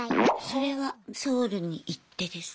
それはソウルに行ってですか？